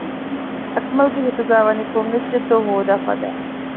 އަކުމަލްގެ ހިތުގައިވަނީ ކޮންއެއްޗެއްތޯ ހޯދާ ފަދައިން